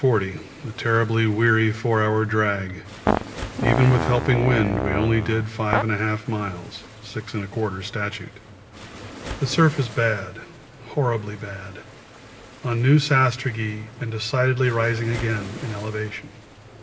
40 a terribly weary four hour drag; even with helping wind we only did 5 1/2 miles (6 1/4 statute). The surface bad, horribly bad on new sastrugi, and decidedly rising again in elevation.